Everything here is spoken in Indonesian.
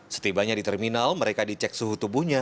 setibanya di terminal mereka dicek suhu tubuhnya